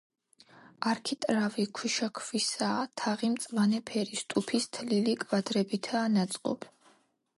არქიტრავი ქვიშაქვისაა, თაღი მწვანე ფერის ტუფის თლილი კვადრებითაა ნაწყობი.